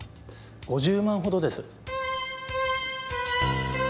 ５０万ほどです。